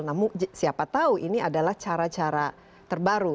namun siapa tahu ini adalah cara cara terbaru